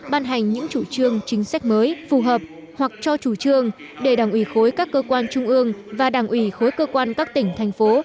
ban hành những chủ trương chính sách mới phù hợp hoặc cho chủ trương để đảng ủy khối các cơ quan trung ương và đảng ủy khối cơ quan các tỉnh thành phố